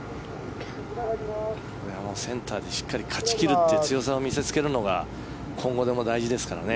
センターでしっかり勝ち切るという強さを見せつけるのが今後でも大事ですからね。